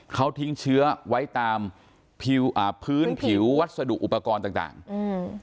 เขาทิ้งเชื้อไว้ตามผิวอ่าพื้นผิววัสดุอุปกรณ์ต่างต่างอืม